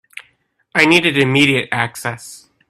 I needed immediate access.